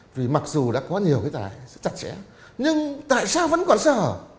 vì mặc dù đã có nhiều cái tài rất chặt chẽ nhưng tại sao vẫn còn sợ